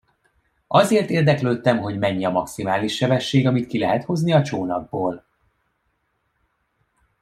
Azért érdeklődtem, hogy mennyi a maximális sebesség, amit ki lehet hozni a csónakból.